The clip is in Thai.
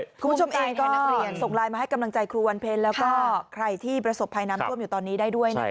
คุณผู้ชมเองก็นักเรียนส่งไลน์มาให้กำลังใจครูวันเพ็ญแล้วก็ใครที่ประสบภัยน้ำท่วมอยู่ตอนนี้ได้ด้วยนะคะ